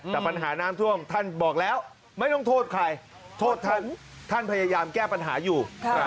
แต่ปัญหาน้ำท่วมท่านบอกแล้วไม่ต้องโทษใครโทษท่านท่านพยายามแก้ปัญหาอยู่